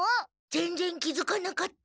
ぜんぜん気づかなかった。